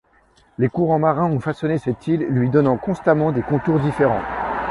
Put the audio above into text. Les courants marins ont façonné cette île lui donnant constamment des contours différents.